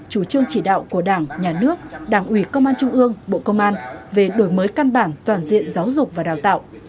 chủ trương chỉ đạo của đảng nhà nước đảng ủy công an trung ương bộ công an về đổi mới căn bản toàn diện giáo dục và đào tạo